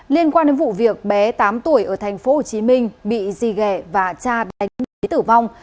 liên quan đến vụ việc bé tám tuổi ở tp hcm bị di ghe và cha đánh nhí tử vong